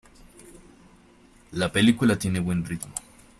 La película tiene buen ritmo.